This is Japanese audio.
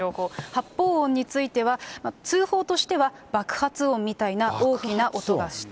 発砲音については、通報としては爆発音みたいな大きな音がした。